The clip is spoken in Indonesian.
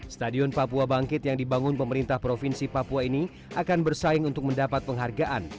stadion papua bangkit yang dibangun pemerintah provinsi papua ini akan bersaing untuk mendapat penghargaan